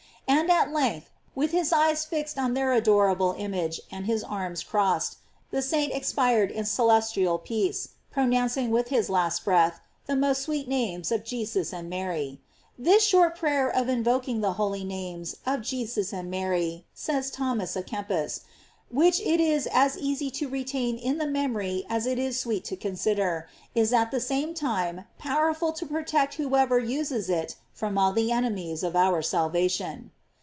And at length, with his eyes fixed on their adorable image, and his arms crossed, the saint expired in celestial peace, pronouncing with his last breath the most sweet names of Jesus and Mary, This short prayer of invoking the holy names of Jesus and Mary, says Thomas a Kempis, which it is as easy to retain in the memory as it is sweet to consider, is at the same time powerful to protect whoever uses it from all the enemies of our salvation.